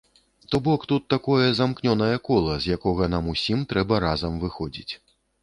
То бок тут такое замкнёнае кола, з якога нам усім трэба разам выходзіць.